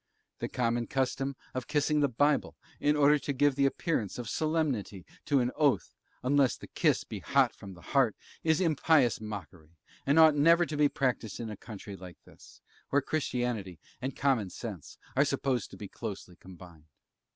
The common custom of kissing the Bible in order to give the appearance of solemnity to an oath, unless the kiss be hot from the heart, is impious mockery, and ought never to be practised in a country like this, where Christianity and common sense are supposed to be closely combined.